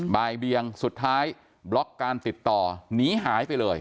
บ่ายเบียงสุดท้ายบล็อกการติดต่อหนีหายไปเลย